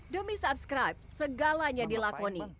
demi subscribe segalanya dilakoni